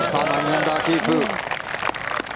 ９アンダーキープ。